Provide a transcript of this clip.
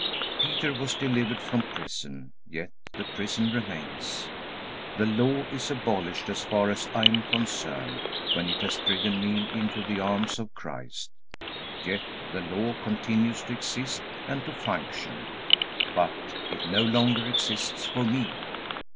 Peter was delivered from prison, yet the prison remains. The Law is abolished as far as I am concerned, when it has driven me into the arms of Christ. Yet the Law continues to exist and to function. But it no longer exists for me.